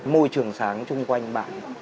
môi trường sáng chung quanh bạn